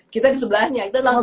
kita di sebelahnya kita langsung